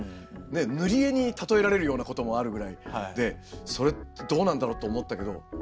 塗り絵に例えられるようなこともあるぐらいでそれってどうなんだろうと思ったけど。